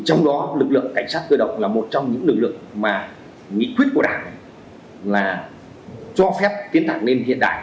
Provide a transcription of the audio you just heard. trong đó lực lượng cảnh sát cơ động là một trong những lực lượng mà nghị quyết của đảng là cho phép tiến thẳng lên hiện đại